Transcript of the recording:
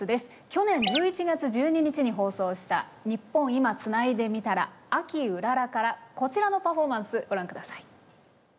去年１１月１２日に放送した「ニッポン『今』つないでみたら秋うらら」からこちらのパフォーマンスご覧下さい。